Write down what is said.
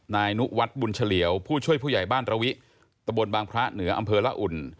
นายนุวัฒน์บุญเฉลี่ยวผู้ช่วยผู้ใหญ่บ้านตระวิตะบนบางพระเหนืออำเภอละอุ่น